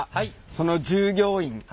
その従業員！